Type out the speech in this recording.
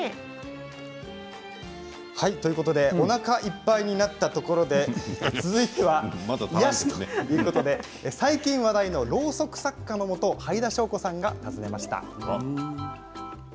おなかいっぱいになったところで続いては癒やしということで最近、話題のろうそく作家のもとをはいだしょうこさんが訪ねました。